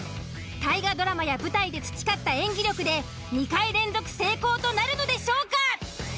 大河ドラマや舞台で培った演技力で２回連続成功となるのでしょうか。